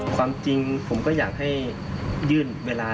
ความจริงผมก็อยากให้ยื่นเวลา